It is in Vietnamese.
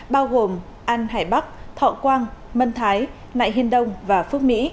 bao gồm an hải bắc thọ quang mân thái nại hiên đông và phước mỹ